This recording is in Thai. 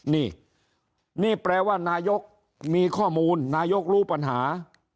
นี่นี่แปลว่านายกมีข้อมูลนายกรู้ปัญหา